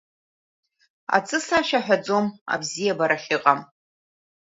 Аҵыс ашәа аҳәаӡом абзиабара ахьыҟам…